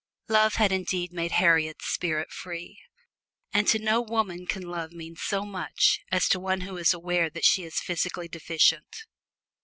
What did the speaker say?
Love had indeed made Harriet's spirit free. And to no woman can love mean so much as to one who is aware that she is physically deficient.